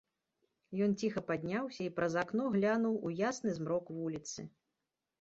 Ён ціха падняўся і праз акно глянуў у ясны змрок вуліцы.